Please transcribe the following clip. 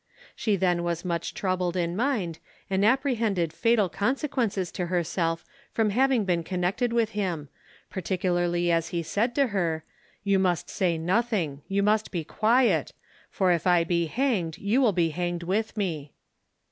She then was much troubled in mind, and apprehended fatal consequences to herself from having been connected with him; particularly as he said to her, "You must say nothing: you must be quiet; for if I be hanged, you will be hanged with me."